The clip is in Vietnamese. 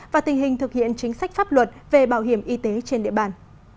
và tình hình thực hiện chính sách pháp luật về bảo hiểm y tế trên địa bàn